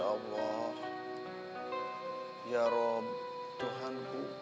ya allah ya rab tuhan